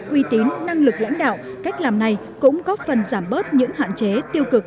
uy tín năng lực lãnh đạo cách làm này cũng góp phần giảm bớt những hạn chế tiêu cực